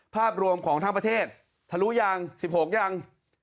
ภาพรวมของทั้งประเทศถ้ารู้หรือยัง๑๖หรือยัง